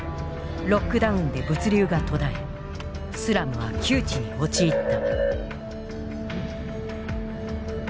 ロックダウンで物流が途絶えスラムは窮地に陥った。